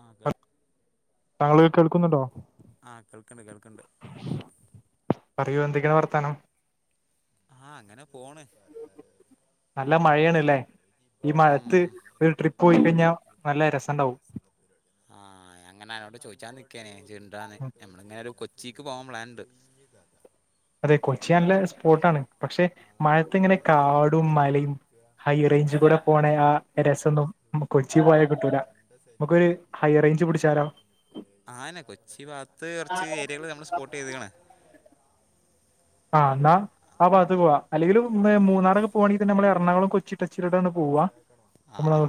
ആ കേൾ താങ്കള് കേൾക്കുന്നുണ്ടോ? ആ കേൾക്ണ്ട് കേൾക്ണ്ട് പറയൂ എന്തൊക്കെണ് വർത്താനം ആ അങ്ങനെ പോണ് നല്ല മഴയാണ്ല്ലേ ഈ മഴത്ത് ഉം ഒരു ട്രിപ്പ് പോയി കഴിഞ്ഞാൽ നല്ല രസം ഉണ്ടാവും ആ ഞ്ഞാങ്ങനെ അനോട് ചോദിച്ചാ നിക്കേനേ ഇജിണ്ടാന്ന് നമ്മളിങ്ങനെ ഒരു കൊച്ചിക്ക് പോവാൻ പ്ലാൻ ണ്ട് പി ദത അതെ കൊച്ചി നല്ല സ്പോട്ട് ആണ് പക്ഷെ മഴത്തിങ്ങനെ കാടും മലയും ഹൈറേഞ്ച് കൂടെ പോണ ആ രസൊന്നും കൊച്ചി പോയാൽ കിട്ടൂല നമുക്കൊരു ഹൈ റേഞ്ച് പിടിച്ചാലോ [unintelligible] ആനെ കൊച്ചി ഭാക് ത്ത് കുറച്ച് ഏരിയകൾ നമ്മൾ സ്പോട്ട് ചെയ്തക്ണ് ആ ന്നാ ആ ഭാഗത്ത് പോവാ അല്ലങ്കിലും മൂന്നാറൊക്കെ പോവാണെങ്കി തന്നെ നമ്മ എറണാകുളം കൊച്ചിടച്ചിതിട്ടാണ് ആ ആ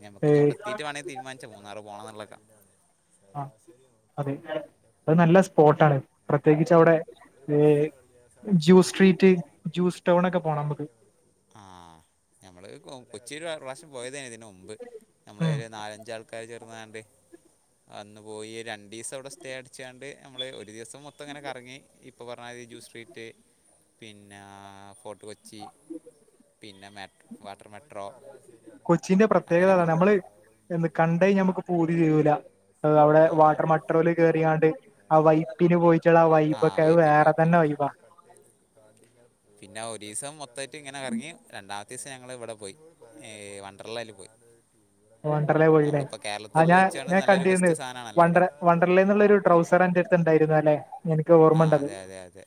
ഞമ്മക്ക് ഏ ഇനിഅവിടെ എത്തിട്ട് വേണെങ്കിൽ തീരുമാനിച്ചാ മൂന്നാറ് പോണംന്നുള്ളക്ക ആ ശരാശരി അതെ നോക്കാണെങ്കിൽ [unintelligible] അത് നല്ല കൂടുതല് സ്പോട്ടാണ് പ്രത്യേകിച്ച് അവിടെ മൂഞ്ഞാറാണ് ഒരു ഏ വർഷം കഴിഞ്ഞ് ഞാൻ സതീശനെ ജൂ വിളിച്ചേർന്ന് [inaudible] സ്ട്രീറ്റ് കൂടെ പറഞ്ഞണ്ട് ജ്യൂസ് ടൗൺ ഒക്കെ നല്ല പോണം നമുക്ക് വണങ്കൻ ക ആ ഞമ്മള് കൊച്ചില് ഒരു പ്രാവശ്യം പോയതായിരുന്നു മുമ്പ് നമ്മള് ഉം നാലഞ്ച് ആൾക്കാര് ചേർന്ന് അന്ന് പോയി രണ്ടു ദിവസം അവിടെ സ്റ്റേ എടുത്ത് വച്ചാണ്ട് നമ്മൾ ഒരു ദിവസം മൊത്തം ഇങ്ങനെ കറങ്ങി ഫുവറായി ജൂ സ്ട്രീറ്റ് പിന്നെ ഫോട്ട് കൊച്ചി പിന്നെ മട്ര വാട്ടർ മെട്രോ കൊച്ചിന്റെ പ്രത്യേകത അങ്ങനൊക്കെ അതാണ് നമ്മള് എന്ത് കണ്ടേ നമുക്ക് പൂതി തീരൂല അവിടെ വാട്ടർ മെട്രോല് കേയറിയാണ്ട് ആ വൈപ്പിന് പോയിച്ചുള്ള ആ വൈബ് ഒക്കെ അത് വൈപ്പിന് വേറെ വൈപ്പിന് തന്നെ വൈബാ പിന്നെ ഒരു ദിവസം മൊത്തമായിട്ട് ഇങ്ങനെ കറങ്ങി രണ്ടാമത്തെ ദിവസം ഞങ്ങൾ ഇവിടെ പോയി ഏ വണ്ടർലേല് പോയി വണ്ടർലേ പോയിലെ നമ്മളിപ്പോൾ ആ കേരളത്തിൽ ഞാൻ വെച്ചുകൊണ്ട് ഞാൻ നല്ലൊരു കണ്ടിരുന്ന് ബെസ്റ്റ് സാധനമാണല്ലോ വണ്ട ഇവിടെ വണ്ടർലേ എന്നുള്ളരു ട്രൗസറന്റെ ണ്ടായിരുന്ന അല്ലെ എനിക്ക് ആ ഓർമ്മ ഉണ്ടത് അതെ അതെ അതെ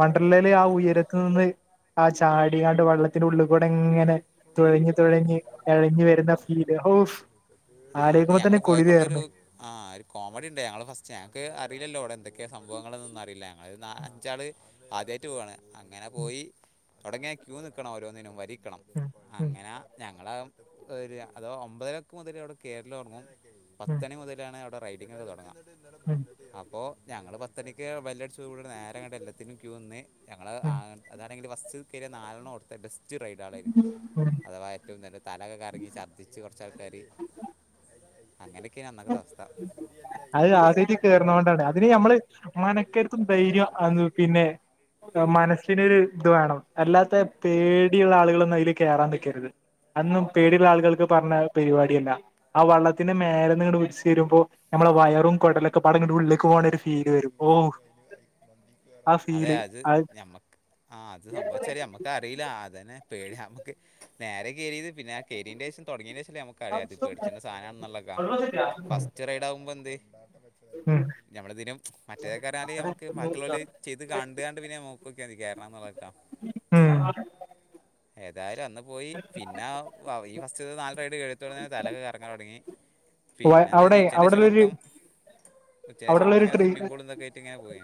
വണ്ടർലേല് ആ ഉയരത്തു നിന്ന് ആ ചാടിങ്ങാണ്ട് വെള്ളത്തിനുളള് ഇവടങ്ങനെ തുഴഞ്ഞു തുഴഞ്ഞ് തുഴഞ്ഞവരുന്ന ഫീല് ഹവ്ഫ്‌ ആ അന്ന് ആലോയിക്കുമ്പോ ഞങ്ങൾ തന്നെ കുളിര് പോയപ്പോൾ ഉള്ളൊരു കേർണ് ആ ഒരു കോമഡി ഉണ്ട് ഞങ്ങള് ഫസ്റ്റ് ഞങ്ങക്ക് അറിയില്ലല്ലോ അവിടെ എന്തൊക്കെയാ സംഭവങ്ങൾന്ന ഒന്നും അറിയില്ല ഞങ്ങള് അഞ്ചാള് ആദ്യമായിട്ടു പോവാണ് അങ്ങനെ പോയി അവിടങ്ങനെ ക്യൂ നിക്കണം ഓരോന്നിനും വരി ക്കണം ഉം ഉം അങ്ങനെ ഞങ്ങള ഒരു അതോ ഒമ്പതരക്ക് മുതൽ അവിടെ കേറല് തുടങ്ങും ഉം പത്തണി മുതലാണ് അവിടെ റൈഡിംഗ് ഒക്കെ തുടങ്ങ ഉം അപ്പൊ ഞങ്ങള് പത്തണിക്ക് ബെല്ലടിച്ചു കുടെ നേരങ്ങട്ട് എല്ലത്തിനും ക്യൂ നിന്ന് ഞങ്ങൾ ഉം അ ഞങ്ങള് ഫസ്റ്റ് കയറിയ നാലെണ്ണം അവിടത്തെ ബസ്റ്റ് റൈഡാളായിരുന്നു ഉം അഥവാ ഏറ്റവും നല്ല തലയൊക്കെ കറങ്ങി ഛർദ്ദിച്ച് കുറച്ച് ആൾക്കാര് അങ്ങനെയൊക്കെയാണ് അന്നക്കത്തെ അവസ്ഥ നമ്മള് മനക്കരുത്തും ധൈര്യ അത് പിന്നെ മനസ്സിനൊരു ഇത് വേണം അല്ലാത്ത പേടിയുള്ള ആളുകളൾ ഒന്നും അതില് കേറാൻ നിക്കരുത് അതൊന്നും പേടി ള്ള ആളുകൾക്ക് പറഞ്ഞ പരിപാടിയല്ല ആ വള്ളത്തിന്റെ മേല ഒലിച്ചു വരുമ്പോ നമ്മളെ വയറും കുടലൊക്കെപാടെങ്കട് ഉള്ളിക്ക് പോണ ഒരു ഫീല് വരും ഓ ആ അതെ ഫീല് അത് ആ ഞമ്മക്ക് ആ അത് സംഭവിച്ച നമുക്ക് അറിയില്ല അതനെ പേട നമുക്ക് നേരെ കയറിയത് പിന്നെ കയറിന്റെ ശേഷം തുടങ്ങിയ ശേഷം നമുക്ക് ക്കറിയ ത് പേട്ച്ച്ണ്ട സാധനന്ന് ള്ളൊക്കെ ഫസ്റ്റ് ചെറി റൈഡ് ആകുമ്പോ എന്ത് ഞമ്മളിതിനും മറ്റേതൊക്കെ പറഞ്ഞാല് നമക്ക് ബാക്കിളോല് ചെയ്ത് കണ്ട് കാണ്ട് പിന്നെ ഞാൻ നോക്കോക്കാ മതി കയറനാന്നുള്ളത് ട്ടോ ആഹ് ന്തായാലും അന്ന് പോയി. പിന്നെ ആ ഈ ഫസ്റ്റ്തെ നാല് റൈഡ് എഴുത്തന് തല ഒക്കെ കറങ്ങാൻ തുടങ്ങി. പിന്നെ എന്തെയ്തു. അവിടെ ഉച്ചേന്റെശം അവിടെള്ളൊരു മൊത്തം ഉച്ചക്കേശം മൊത്തം അവിടെള്ളൊരു ഇങ്ങനെ ട്രീ സ്വിമ്മിങ്ങ് പൂളുംന്തൊക്കെ ആയിട്ട് ഇങ്ങനെ പോയേ.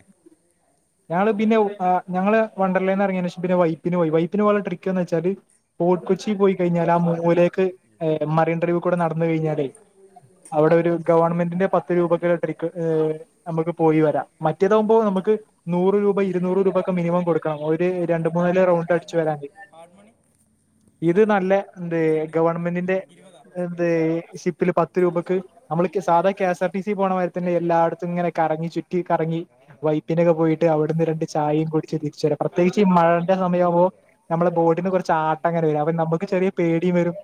ഞങ്ങള് പിന്നെ ഉ ആ ഞങ്ങള് വണ്ടർലേന്ന്റങ്ങിയന് ഷം പിന്ന വൈപ്പിന് പോയി വൈപ്പിന് പോലുള്ള ട്രിക്ക് എന്ന് വെച്ചാല് ഫോർട്ട് കൊച്ചി പോയി കഴിഞ്ഞാല് ആ മൂവിലേക്ക് ഏ മറൻ ഡ്രൈവ് കൂടെ നടന്ന് കഴിഞ്ഞാലെ അവിടെ ഒരു ഗവൺമെന്റിന്റെ പത്ത് രൂപക്ക് [unintelligible] നമ്മക്ക് പോയി വരാം. മറ്റേതാകുമ്പോ നമ്മക്ക്. ഒരു ഹാഡ് രണ്ട് മണി ഉണ്ടോ? മൂന്നാല് റൗണ്ട് ഹാഡ് അടിച്ചു മണി വരാൻ ഹാഡ് മണി. ഇത് നൂറ് നല്ല എന്ത് എത്രണ്ട് ഗവൺമെന്റിന്റെ ഇരുപതോ.? എന്ത് ഷിപ്പില് പത്ത് രൂപക്ക് നമ്മള്ക്കെ സാധാ K S R T C പോണമാരി തന്നെ എല്ലായിടത്തും ഇങ്ങനെ കറങ്ങി ചു റ്റി കറങ്ങി വൈപ്പിനൊക്കെ പോയി. ട്ട് അവിടുന്ന് രണ്ട് ചായയും കുടിച്ച് തിരിചു വരാം. പ്രത്യേകിച്ച് ഈ മഴന്റെ സമയ ആകുവോ നമ്മുടെ ബോഡിനെ കുറ ചാട്ട അക്കാര വര. അപ്പം നമ്മക്ക് ചെറിയ പേടിവരും.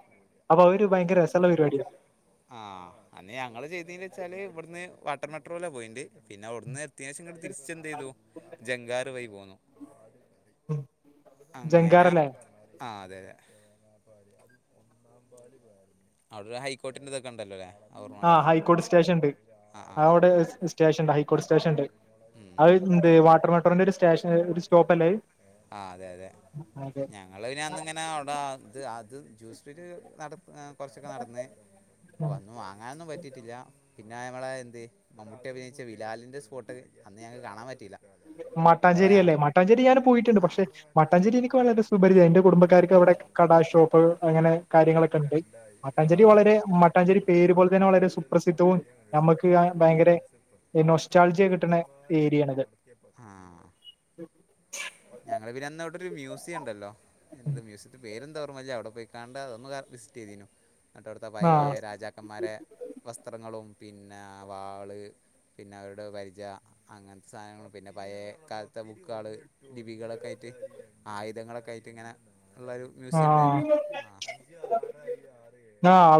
അപ്പൊ അത് ഒരു ഭയങ്കര രസള്ള പരിപാടിയാ. ആഹ്, അന്ന് ഞങ്ങള് ചെയ്തീനെച്ചാല് ഇവട്ന്ന് വാട്ടർ മെട്രോല പോയിണ്ട്. പിന്നെ അവ്ട്ന്ന് എത്തിയേഷം ഇങ്ങട് തിരിച്ച് എന്ത് ചെയ്തു ജംഗാർ വഴി പോന്നു. അങ്ങന ജങ്കാറല്ലേ ആ അതെ അതെ. അവടെ ഒരു ഹൈക്കോർട്ടിന്റതൊക്കെ ഉണ്ടല്ലോല്ലേ. ആഹ്, ഹൈക്കോട് സ്റ്റേഷൻണ്ട്. ആ അവിടെ സ്റ്റേഷൻണ്ട് ഹൈക്കോട് സ്റ്റേഷൻണ്ട്. അത് ഉം. എന്ത്? വാട്ടർ മെട്രോന്റെ ഒരു സ്റ്റേഷൻ ഒരു സ്റ്റോപ്പ് അല്ലേ അത്. ആഹ്, അതെ അതെ അതെ ഞാ. ഞങ്ങളയ്ന് അന്നങ്ങനെ അവിടെ ആത് അത് ജ്യൂസ്ഫിറ്റ് നട- ഏഹ് കൊറച്ചൊക്കെ നടന്ന് ഉം ഒന്നു വാങ്ങാനൊന്നും പറ്റിട്ടില്ല. പിന്നെ നമ്മളെ എന്ത്? മമ്മൂട്ടി അഭിനയിച്ച ബിലാലിൻ്റെ സ്പോട്ട് അന്ന് ഞങ്ങക് കാണാൻ പറ്റീല്ല. അവ മട്ടാഞ്ചേരി ഞങ്ങള്. [unintelligible] പോയിട്ടുണ്ട്, പക്ഷെ മട്ടാഞ്ചേരി എനിക്ക് വളരെ സുപരിത എന്റെ കുടുംബക്കാർക്ക് അവിടെ കടാ ഷോപ്പ് അങ്ങനെ. കാര്യങ്ങളൊക്കെ ഉണ്ട് മട്ടാഞ്ചേരി വളരെ മട്ടാഞ്ചേരി പേര് പോലെ തന്നെ വളരെ സുപ്രസിദ്ധവും നമുക്ക് ഭയങ്കര നൊസ്റ്റാൾജിയ കിട്ടണ ഏരിയാണിത് ആഹ്. ആഹ് [unintelligible] ഞങ്ങള് പിന്നെ എന്ന അവിടെ ഒരു മ്യൂസിയംണ്ടല്ലോ. എന്ത് മ്യൂസിയത്തി പേരന്താ ഒർമല്ല അവിടെ പോയി. കണ്ട അതൊന്ന് വിസിറ്റ് ചെയ്തീനു. മറ്റെ ആവുടത്തെ പയേ ആഹ് രാജ- ക്കമാരെ വസ്ത്രങ്ങളും പിന്നെ ആ വാള്. പിന്നെ അവരുടെ പരിച, അങ്ങൻത്തെ സാധനങ്ങളും പിന്നെ പയേ കാലത്തെ ബുക്കാള്. ലിപികളൊക്കെ ആയിട്ട് ആയുധങ്ങളൊക്കെ ആയിട്ട് ഇങ്ങനെ ഉള്ളൊരു. മ്യൂസിയംണ്ടേനെല്ലോ ആഹ് ആഹ്.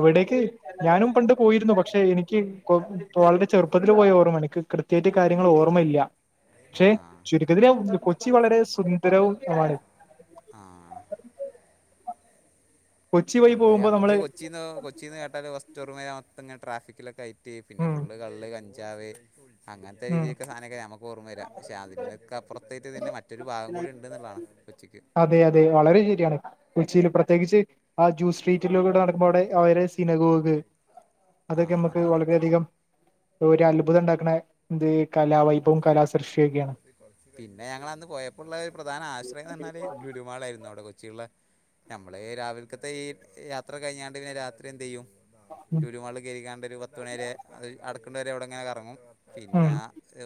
വിടേക്ക്. ഞാനും പണ്ട് പോയിരുന്നു, പക്ഷെ എനിക്ക് കൊ കോളരെ ചെറുപ്പത്തിൽ പോയ ഓർമ്മണ്ട് ഇൻക്ക് ക്ട് ത്യയിട്ട് കാര്യങ്ങൾ ഓർമ്മയില്ല. ക്ഷെ ആ ചുരുക്കത്തില് ഞാൻ കൊച്ചി വളരെ സുന്ദരവും ആണ്. ആഹ് കൊച്ചി വഴി നമ്മള് പോകുമ്പോ നമ്മക്ക് കൊച്ചിന്ന് കൊ- ച്ചിന്ന് കേട്ടാല് ഫസ്റ്റ് ഓർമ വര മൊത്തംങ്ങെനെ ട്രാഫിക്കിലൊക്കെ ആയിറ്റ് പിന്നെ ഉം ഫുള്ള് കള്ള് കഞ്ചാവ്. അങ്ങൻത്തെ രീതിലൊക്കെ സാധനൊക്കെ നമക്ക് ഓർമ്മ വര. പക്ഷെ അതിനൊക്കപ്പറത്തേറ്റ് പിന്നെ മറ്റൊരു ഭാഗം ഉം കൂടി ഉണ്ട് ന്നുള്ളതാണ്. ഒച്ചിക്ക്. അതെ അതെ വളരെ ശരിയാണ്. കൊച്ചിയിൽ പ്രത്യേകിച്ച്,. ആ ജൂസ് സ്ട്രീറ്റിലുക്കൂടെ നടക്കുമ്പോ അവിടെ അവരെ സിനഗോക്ക്. ആ അതൊക്കെ നമ്മക്ക് അതെ അതെ വളരെയധികം. ഒരു അത്ഭുതം ഉണ്ടാക്ണ എന്ത് കലാവൈബും കലാ സൃഷ്ടിയൊക്കെയാണ്. പിന്നെ ഞങ്ങൾ അന്ന് പോയപ്പോുള്ള പ്രധാന ആശ്രയം എന്ന് പറഞ്ഞാല് ലുലുമാള ആയിരുന്നു അവിടെ കൊച്ചിയുള്ളെ നമ്മള് രാവിലക്കത്തെ ഈ യാത്ര കഴിഞ്ഞാണ്ട് പിന്നെ രാത്രി എന്ത് ചെയ്യും. ഉം ലുലുമാളില് കയറിക്കാണ്ട് ഒരു പത്ത് മണി വരെത് അടക്കണ്ട വരെ അവിടെ ഇങ്ങനെ കറങ്ങും പിന്നെ. ഉം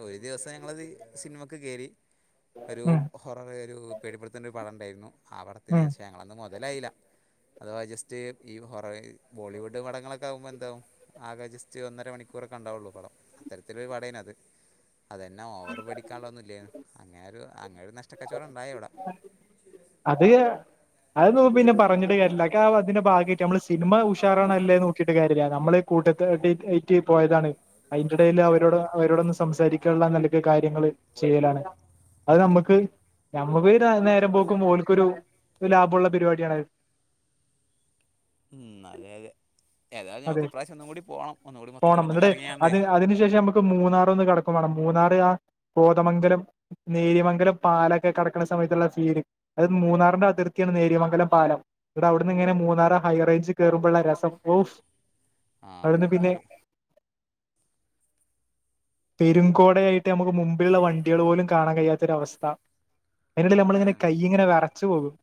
ഒരു ദിവസം ഞങ്ങളത് സിനിമക്ക് കേറി. ഒരു ഉം ഹൊററ് ഒരു പേടിപ്പെടുത്തേണ്ട ഒരു പടം ഉണ്ടായിരുന്നു ആ ഉം അവടെത്തിന്ന്റെഷം ഞ്ഞ അതൊന്നും മുതലായില്ല അതോ ജസ്റ്റ് ഈ ഹൊറ ബോളിവുഡ് പടങ്ങളൊക്കെ ആകുമ്പോൾ എന്താവും. ആകെ ജസ്റ്റ് ഒന്നര മണിക്കൂറൊക്കെ ഉണ്ടാവുള്ളു പടം അത്തരത്തിലൊരു പടേനത്. അതന്നെ ഓവറ് പേടിക്കാനുള്ളൊന്നു ഇല്ലേയ്ന്നു അങ്ങനെ ഒരു അങ്ങനെ ഒരു നഷ്ടക്കചോടം ഉണ്ടായി അവിടെ. അതെയാ അത് നോ പിന്നെ പറഞ്ഞിട്ട് കാര്യല്ല അതൊക്കെ അതിന്റെ ഭാഗയിട്ട് നമ്മള് സിനിമ ഉഷാറാ ണോ ഇല്ലേന്ന് നോക്കീട്ട് കാര്യല്ല നമ്മള് കൂട്ടത്തയ്റ്റ് പോയതാണ് അയ്ന്റെ എടയിൽ അവരോട് അവരോടൊന്ന് സംസാരിക്ക ള്ള നിലക്ക് കാര്യങ്ങള് ചെയ്യലാണ് അത് നമ്മക്ക് നമ്മവീട് നേരം പോ ഓൽക്കൊരു ലാഭമുള്ള പരിപാടിയാണത് ഉം അതെയ് അതെ ഏതായാലും അത് നമുക്ക് ഇപ്രാവശം ഒന്നും കൂടി പോണം ഒന്നുകൂടി മൊത്തത്തിൽ പോണം ഒന്ന് എന്നിട്ട് കറങ്ങിയാണ്ട് അത് അതിനുശേഷം നമ്മ,, ക്ക് മൂന്നാറൊന്ന് കടക്കും വാണം മൂന്നാറ് ആഹ് കോതമംഗലം നേര്യമംഗലം പാലൊക്കെ കടക്കണ സമയത്തുള്ള ഫീല് അത് മൂന്നാറിന്റെ അതിർത്തിയാണ് നേര്യമംഗലം പാലം ഇന്നിട്ട് അവിടുന്ന് ഇങ്ങനെ മൂന്നാറ് ഹൈ റേഞ്ച് കേറുമ്പോൾ ഉള്ള രസം ഓഹ് ആ അവിടുന്ന് പിന്നെ മൂന്നാർ പെരും കോടയായിട്ട് നമുക്ക് മുമ്പിലുള്ള വണ്ടികൾ പോലും കാണാൻ കഴിയാത്തൊരവസ്ഥ അയ്ന്റെടേൽ ആ നമ്മളിങ്ങനെ കൈ ഇങ്ങനെ വെറച്ചു പോകും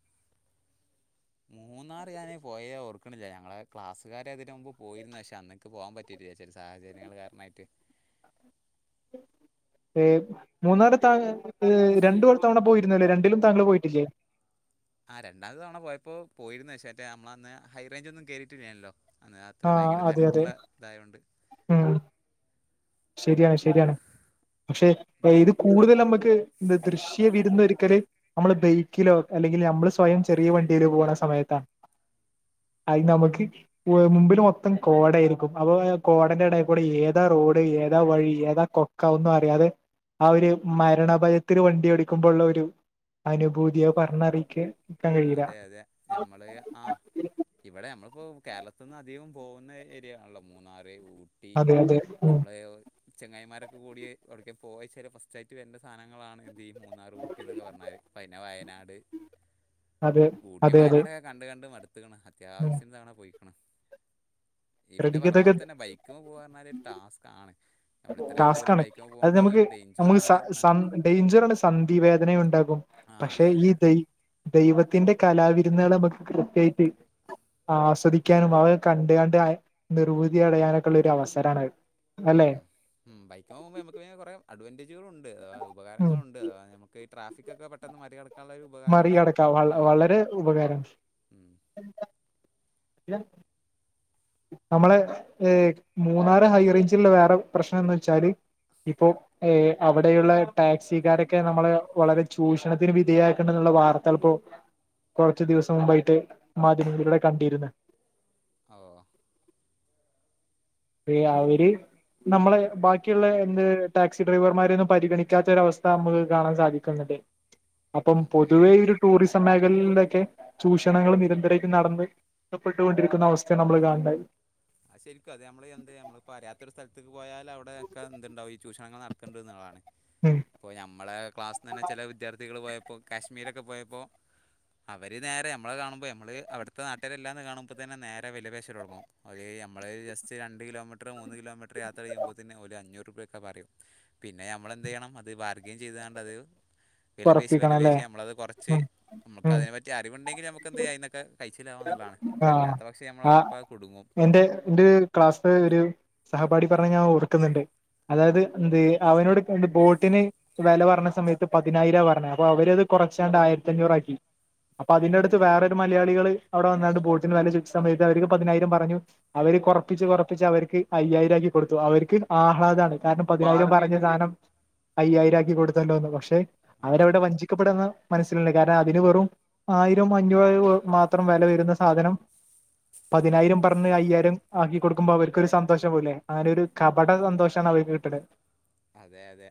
മൂന്നാറ് ഞാന് പോയെ ഓർക്കണില്ല ഞങ്ങളെ ക്ലാസ്സുകാരതിന് മുമ്പ് പോയിരുന്നു പക്ഷേ അന്ന് ഇക്ക് പോകാൻ പറ്റയിട്ടില്ല ചില സാഹചര്യങ്ങൾ കാരണായിട്ട് ഏഹ് മൂന്നാറ് താ രണ്ടു തവണ പോയിരുന്നല്ലേ രണ്ടിലും താങ്കള് പോയിട്ടില്ലേ ആഹ് രണ്ടാമത്തെ തവണ പോയപ്പോ പോയിരുന്നു പക്ഷെ മറ്റെ നമ്മളന്ന് ഹൈ റേഞ്ച് ഒന്നും കേറിയിട്ടില്ലയ്നേലൊ അന്ന് അത്ര ഭയങ്കര തെരക്കുള്ള ഇതായോണ്ട് ഊം ശരിയാണ് ശരിയാണ് പക്ഷെ ഇത് കൂടുതൽ നമ്മക്ക് ദൃശ്യ വിരുന്നൊരുക്കല് നമ്മള് ബൈക്കിലോ അല്ലെങ്കിൽ നമ്മള് സ്വയം ചെറിയ വണ്ടിയില് പോണ സമയത്താണ് അയ് നമക്ക് മുമ്പില് മൊത്തം കോടയായിരിക്കും അപ്പൊ കോടന്റെ എടൽ കൂടെ ഏതാ റോഡ് ഏതാ വഴി ഏതാ കൊക്ക ഒന്നും അറിയാതെ ആ ഒരു മരണഭയത്തില് വണ്ടി ഓടിക്കുമ്പോള്ള ഒരു അനുഭൂതി അത് പറഞ്ഞറിയിക്ക അതെ അതെ ഞമ്മള് ആഹ് ഇവടെ നമ്മളിപ്പം കേരളത്തിൽ നിന്ന് അധികം പോകുന്ന ഏരിയ ആണല്ലോ മൂന്നാറ് ഊ ട്ടി അതെ അതെ ഉം നമ്മളെയോ ചെങ്ങായിമാരൊക്കെ കൂടി എവിട്ക്ക പോയച്ചല് ഫസ്റ്റായിട്ട് വേണ്ട സാധനങ്ങളാണ് ഈ മൂന്നാറ് ഊട്ടി എന്നൊക്കെ പറഞ്ഞാല് പിന്നെ വയനാട് അതെ ഊട്ടിയും അതെ അതെ വയനാടൊക്കെ കണ്ട് കണ്ട് മടുത്ത്ക്കണു ഉം അത്യാവശ്യത്തിന് തവണ പോയിക്ക്ണ് ഇയ്യ് പിന്നെ പറഞ്ഞ ശ്രദ്ധിക്കതൊക്കെ പോലെ തന്നെ ബൈക്ക്മ്മെ പോകർഞ്ഞാല് ടാസ്ക് ആണ് നമ്മൾ ഇത്രേ ദൂരം ടാസ്കാണ് ബൈക്ക് അത് നമുക്ക് നമുക്ക് സ സ ഡേഞ്ചറണ് സന്ധി വേദനയും ഉണ്ടാകും ആ പക്ഷെ അതെ അതെ ഈ ദൈ ദൈവത്തിന്റെ കലാവിരുന്നുകള് നമുക്ക് കൃത്യായിട്ട് ആസ്വദിക്കാനും അവ കണ്ടുകണ്ട് നിർവൃതി അടയാനൊക്കെയുള്ള ഒരു അവസരാണത് ഉം. അല്ലെ ഉം ബൈക്ക്മ്മെ പോകുമ്പം നമുക്ക് പിന്നേ കൊറെ അഡ്വാന്റെജുകളും ഉണ്ട് അതാ ഉം ഉപകാരങ്ങളുണ്ട് അതാ നമുക്ക് ഈ ട്രാഫിക്കൊക്കെ പെട്ടെന്ന് മറികട മറികടക്കാം വള വളരെ ഉപകാരാണ് ഉം. നമ്മളെ ഈ മൂന്നാറ് ഹൈറേഞ്ചുള്ള വേറെ പ്രശ്നം എന്ന് വെച്ചാല് ഇപ്പോ ഏഹ് അവിടെയുള്ള ടാക്സിക്കാരൊക്കെ നമ്മള് വളരെ ചൂഷണത്തിന് വിധേയാക്കേണ്ടന്നുള്ള വാർത്തള്ളപ്പോൾ കൊറച്ചു ദിവസം മുമ്പായിട്ട് മാധ്യമങ്ങളിലൂടെ കണ്ടിരുന്ന് അഓ [unintelligible] അവര് നമ്മള് ബാക്കിയുള്ള എന്ത് ടാക്സി ഡ്രൈവർമാരൊന്നും പരിഗണിക്കാത്തൊരവസ്ഥ നമുക്ക് കാണാൻ സാധിക്കുന്നുണ്ട് അപ്പം ഉം, ഉം. പൊതുവേ ഒരു ടൂറിസം മേഖലകൾലൊക്കെ ചൂഷണങ്ങൾ നിരന്തരായിട്ട് നടന്ന് നഷ്ടപ്പെട്ടുകൊണ്ടിരിക്കുന്ന അവസ്തേണ് നമ്മള് കാൺണത് അഹ് ശരിക്കും അത് നമ്മള് എന്തേ നമ്മള് പറയാത്ത ഒരു സ്ഥലത്ത് ഇ പോയാലവിടെയക്കെ എന്തുണ്ടാവും ഈ ചൂഷണങ്ങള് നടക്ക്ണ്ട്ന്നുള്ളതാണ് ഉം പ്പോ ഞമ്മളെ ക്ലാസ്സി തന്നെ ചെല വിദ്യർത്ഥികള് പോയപ്പോ കാശ്മീരൊക്കെ പോയപ്പോ അവര് നേരെ നമ്മളെ കാണുമ്പ നമ്മള് അവിടുത്തെ നാട്ടിലെല്ലാന്ന് കാണുമ്പതന്നെ നേരെ വെല പേശലൊടങ്ങും ഒരേ നമ്മള് ഒരു ജസ്റ്റ് രണ്ട് കിലോമീറ്ററ് മൂന്ന് കിലോമീറ്റർ യാത്ര ചെയ്യുമ്പോൾത്തന്നന് ഒരു അഞ്ഞൂറ്പ്യാക്കൊ പറയും പിന്നെ നമ്മള് എന്തെയ്യണം അത് ബാർഗേം ചെയ്ത് കാണ്ടത് വില പേശി വില ഉറപ്പിക്കണം അല്ലേ പേശി നമ്മളത് കൊർച്ച് ഉം ഉം നമുക്കതിനെപ്പറ്റി അറിവുണ്ടെങ്കി നമുക്ക് എനന്തയ്യാ നമുക്കത്തിന്നൊക്കെ കയ്ച്ചിലാവാന്നുള്ളതാണ് ആഹ് അല്ലാത്ത പക്ഷേ നമ്മള് ആ ഒറപ്പാ അത്‌ കുടുങ്ങും എന്റെ ന്റെ ക്ലാസ്സ്‌ ഒരു സഹപാഠി പറഞ്ഞ് ഞാൻ ഓർക്കുന്നുണ്ട് അതായത് എന്ത് അവനോട്ക്കെന്ത്‌ ബോട്ടിന് വെല പറഞ്ഞ സമയത്ത് പതിനായിരാ പറഞ്ഞത് അപ്പൊ അവര്ത് കുറച്ചാണ്ട് ആയിരത്തിഞ്ഞൂറാക്കി അപ്പൊ അതിന്റെടുത്ത് വേറൊരു മലയാളികള് അവിടെ വന്നാണ്ട് ബോട്ടിന് വെല ചോയ്ച്ച സമയത്ത് അവർക്ക് പതിനായിരം പറഞ്ഞു അവര് കൊറപ്പിച്ച് കൊറപ്പിച്ച് അവർക്ക് അയ്യായിരം ആക്കി കൊടുത്തു അവർക്ക് ആഹ്ലാദാണ് കാരണം പതിനായിരം പറഞ്ഞ സാനം അയ്യായിരം ആക്കി കൊടുത്തല്ലോന്ന് പക്ഷേ ആ അവരവിടെ വഞ്ചിക്കപ്പെടാന്ന് മനസ്സിൽണ്ട് കാരണം അതിന് വെറും ആയിരം അഞ്ഞൂറ് [unintelligible] മാ ത്രം വെല വരുന്ന സാധനം പതിനായിരം പറഞ്ഞ് അയ്യായിരം ആക്കി കൊടുക്കുമ്പോ അവർക്കൊരു സന്തോഷവുല്ലേ അങ്ങനെ ഒരു കപട സന്തോഷാണ് അവര്ക്ക് കിട്ട്ണ് അതെ അതെ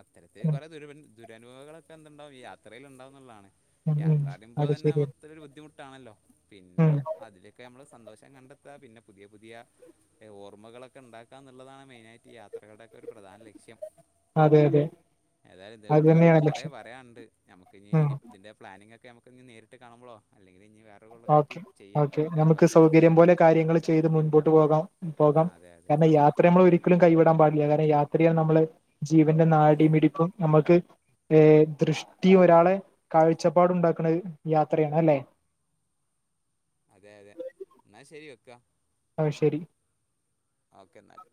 അത്തരത്തിൽ കുറെ ദുരു ദുരനുഭവങ്ങളൊക്കെ എന്തുണ്ടാവും ഈ യാത്രൽ ഉണ്ടാവ ന്നുള്ളതാണ് ഉം ഉം യാത്രാറിയുമ്പോ അത് തന്നെ ശരിയാണ് മൊത്തം ഒരു ബുദ്ധിമുട്ടാണല്ലോ പിന്നെ ഉം അതില് ക്കെ നമ്മള് സന്തോഷം കണ്ടെത്താ പിന്നെ പുതിയ പുതിയ ഓർമ്മകളൊക്കെണ്ടാക്കാ എന്നുള്ളതാണ് മെയിനായിട്ട് യാത്രകളുടെക്കെ ഒരു പ്രധാന ലക്ഷ്യം അതെ അതെ ഏതായാലും ഇതേ അത് പറ്റി തന്നെയാണ് പറയുമ്പൾ കൊറേ ലക്ഷ്യം പറയാണ്ട് നമുക്കിനി ഉം ഇതിന്റെ പ്ലാനിങ്ങ് ഒക്കെ നമുക്ക്ഞ്ഞി നേരിട്ട് ട്ട് കാണുമ്പളോ അല്ലങ്കില് ഇഞ്ഞി വേ ഓക്കെ ഓക്കെ നമുക്ക് സൗകര്യം പോലെ കാര്യങ്ങള് ചെയ്ത് മുൻപോട്ട് പോകാം ഉം ആ പോകാം അതെ അതെ കാരണം യാ ത്ര നമ്മൾ ഒരിക്കലും കൈവിടാൻ പാടില്ല കാരണം യാത്രയാൽ നമ്മള് ജീവന്റെ നാടിമിടിപ്പും നമ്മൾക്ക് ഏ ദൃഷ്ടി ഒരാളെ കാഴ്ചപ്പാടുണ്ടാക്ക്ണത് യാത്രയാണ് അല്ലേ? അതെ അതെ എന്നാ ശരി വെക്കാ അഹ് ശരി ഓക്കെന്നാല്